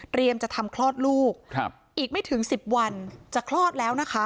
เตรียมจะทำคลอดลูกครับอีกไม่ถึงสิบวันจะคลอดแล้วนะคะ